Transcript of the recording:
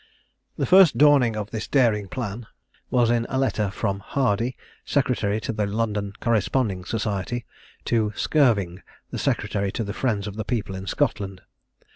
The first dawning of this daring plan was in a letter from Hardy, secretary to the London Corresponding Society; to Skirving, the secretary to the Friends of the People in Scotland.